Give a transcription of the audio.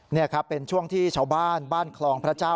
นี่ครับเป็นช่วงที่ชาวบ้านบ้านคลองพระเจ้า